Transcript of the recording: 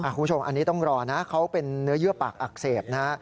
คุณผู้ชมอันนี้ต้องรอนะเขาเป็นเนื้อเยื่อปากอักเสบนะฮะ